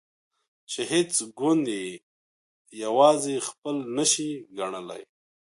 چې هیڅ ګوند یې یوازې خپل نشي ګڼلای.